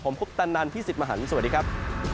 ผมคุปตันนันพี่สิทธิ์มหันฯสวัสดีครับ